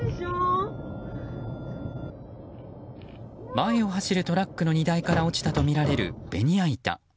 前を走るトラックの荷台から落ちたとみられるベニヤ板。